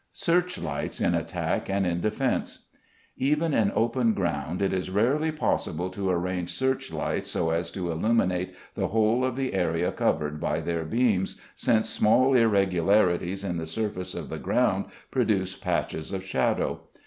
Searchlights in Attack and in Defence. Even in open ground it is rarely possible to arrange searchlights so as to illuminate the whole of the area covered by their beams since small irregularities in the surface of the ground produce patches of shadow.